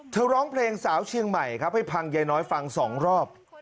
ร้องเพลงสาวเชียงใหม่ครับให้พังยายน้อยฟัง๒รอบ